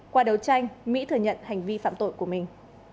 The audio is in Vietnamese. qua đấu tranh mỹ thừa nhận hành vi phạm tội của mình